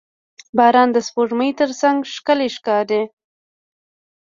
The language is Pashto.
• باران د سپوږمۍ تر څنګ ښکلی ښکاري.